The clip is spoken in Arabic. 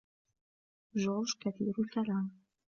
جورج كثير الكلام.